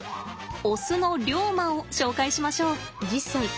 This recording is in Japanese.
オスのリョウマを紹介しましょう。